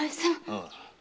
ああ。